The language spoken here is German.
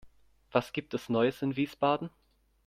Was gibt es Neues in Wiesbaden?